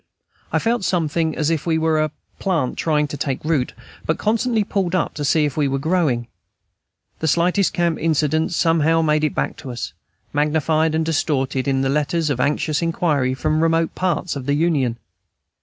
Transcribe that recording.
I felt sometimes as if we were a plant trying to take root, but constantly pulled up to see if we were growing. The slightest camp incidents sometimes came back to us, magnified and distorted, in letters of anxious inquiry from remote parts of the Union.